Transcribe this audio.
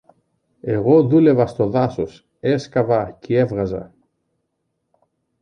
Εγώ δούλευα στο δάσος, έσκαβα κι έβγαζα.